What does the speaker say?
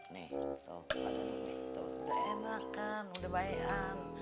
nih toh pada umi tuh udah enakan udah bae an